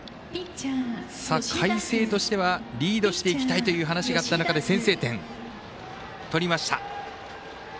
海星としてはリードしていきたいという話があった中で先制点取りました。